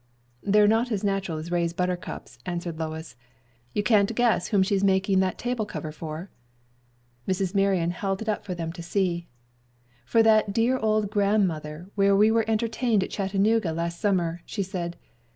"They're not as natural as Ray's buttercups," answered Lois. "You can't guess whom she's making that table cover for?" Mrs. Marion held it up for them to see. "For that dear old grandmother where we were entertained at Chattanooga last summer," she said.